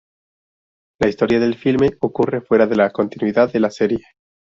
La historia del filme ocurre fuera de la continuidad de la serie.